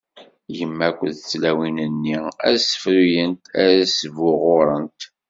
Yemma akked tlawin-nni ad ssefruyent, ad sbuɣurent.